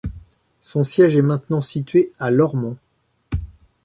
Son siège est maintenant situé à Lormont.